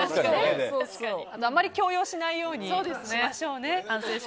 あまり強要しないようにしましょうね。